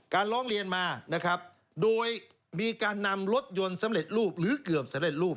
ร้องเรียนมานะครับโดยมีการนำรถยนต์สำเร็จรูปหรือเกือบสำเร็จรูป